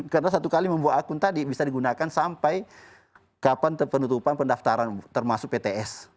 karena satu kali membuat akun tadi bisa digunakan sampai kapan penutupan pendaftaran termasuk pts